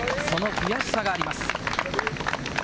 その悔しさがあります。